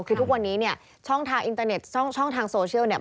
คือทุกวันนี้เนี่ยช่องทางอินเตอร์เน็ตช่องทางโซเชียลเนี่ย